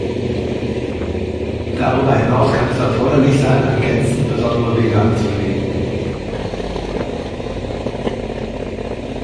Darüber hinaus kann es erforderlich sein, ergänzend besondere Wege anzulegen.